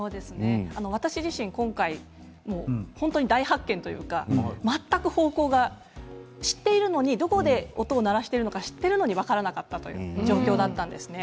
私自身、今回本当に大発見というか全く方向がどこで音を鳴らしているか知っているのに分からなかったという状況だったんですね。